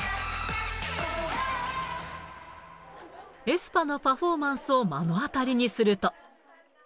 エスパのパフォーマンスを目の当たりにすると。